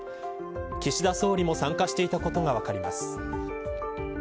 岸田総理も参加していたことが分かります。